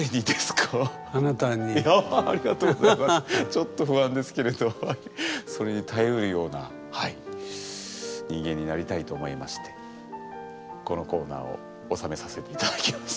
ちょっと不安ですけれどそれに耐えうるような人間になりたいと思いましてこのコーナーを収めさせて頂きます。